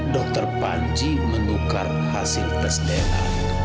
dokter panji menukar hasil tes dna